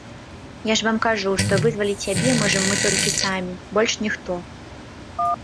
Я ж вам кажу, што вызваліць сябе можам мы толькі самі, больш ніхто.